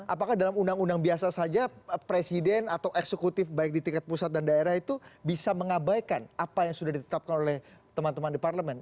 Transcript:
apakah dalam undang undang biasa saja presiden atau eksekutif baik di tingkat pusat dan daerah itu bisa mengabaikan apa yang sudah ditetapkan oleh teman teman di parlemen